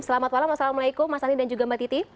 selamat malam assalamualaikum mas andi dan juga mbak titi